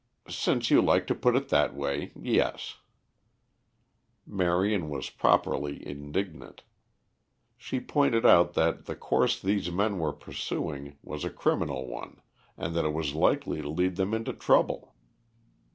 "Since you like to put it in that way, yes." Marion was properly indignant. She pointed out that the course these men were pursuing was a criminal one, and that it was likely to lead them into trouble.